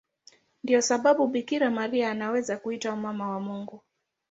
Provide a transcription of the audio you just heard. Ndiyo sababu Bikira Maria anaweza kuitwa Mama wa Mungu.